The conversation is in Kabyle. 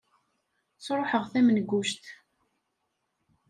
Sruḥeɣ tamenguct.